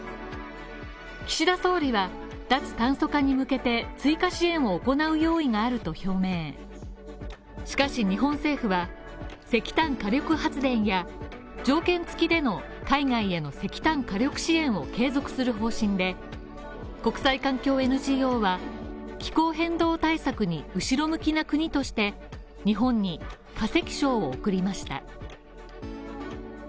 岸田総理は脱炭素化に向けて追加支援を行う用意があると表明しかし日本政府は石炭火力発電や条件付きでの海外への石炭火力支援を継続する方針で、国際環境ＮＧＯは、気候変動対策に後ろ向きな国として日本に化石賞を贈りました。